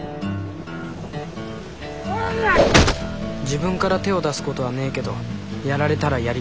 自分から手を出すことはねえけどやられたらやり返す。